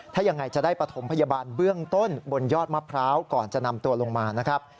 ถ้ายังไงจะได้ปฐมพยาบาลเบื้องต้นบนยอดมะพร้าวก่อนจะนำตัวลงมานะครับ